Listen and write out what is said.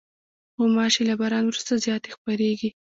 غوماشې له باران وروسته زیاتې خپرېږي.